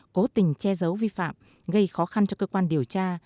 cố tình che giấu vi phạm gây khó khăn cho cơ quan điều tra